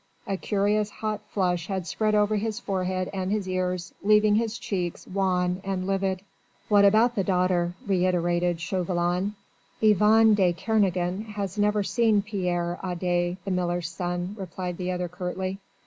A curious hot flush had spread over his forehead and his ears, leaving his cheeks wan and livid. "What about the daughter?" reiterated Chauvelin. "Yvonne de Kernogan has never seen Pierre Adet the miller's son," replied the other curtly.